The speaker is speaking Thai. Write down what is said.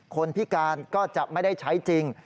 คนพิการก็จะไม่ได้ใช้จริง